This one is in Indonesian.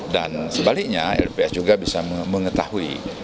dan sebaliknya lps juga bisa mengetahui